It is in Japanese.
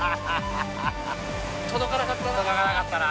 届かなかったな。